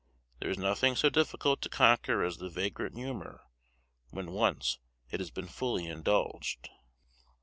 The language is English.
There is nothing so difficult to conquer as the vagrant humour, when once it has been fully indulged.